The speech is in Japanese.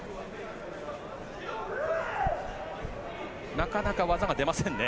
なかなか技が出ませんね。